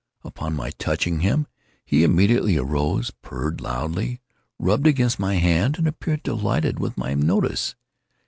Upon my touching him, he immediately arose, purred loudly, rubbed against my hand, and appeared delighted with my notice.